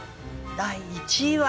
第１位は。